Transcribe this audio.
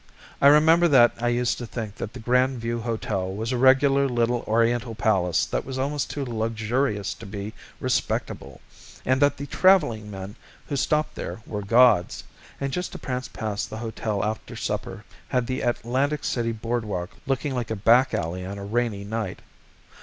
I remember that I used to think that the Grand View Hotel was a regular little oriental palace that was almost too luxurious to be respectable, and that the traveling men who stopped there were gods, and just to prance past the hotel after supper had the Atlantic City board walk looking like a back alley on a rainy night.